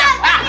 apa dia ambil